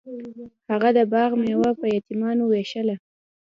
هغه د باغ میوه په یتیمانو ویشله.